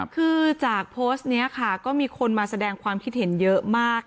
คือจากโพสต์นี้ค่ะก็มีคนมาแสดงความคิดเห็นเยอะมาก